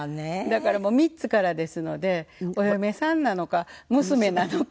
だから３つからですのでお嫁さんなのか娘なのか。